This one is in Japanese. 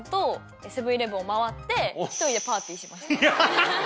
ハハハ。